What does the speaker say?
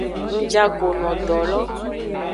Ngjago no do lo.